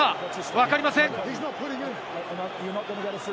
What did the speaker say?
わかりません。